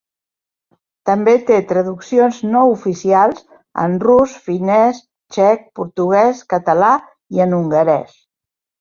També té traduccions no oficials en rus, finès, txec, portuguès, català i en hongarès.